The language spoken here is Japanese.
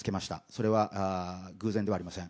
それは偶然ではありません。